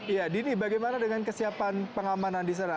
ya dini bagaimana dengan kesiapan pengamanan di sana